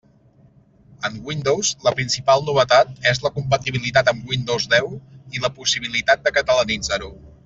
En Windows la principal novetat és la compatibilitat amb Windows deu i la possibilitat de catalanitzar-ho.